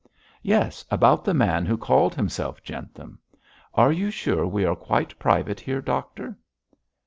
'Yes, about the man who called himself Jentham. Are you sure we are quite private here, doctor?'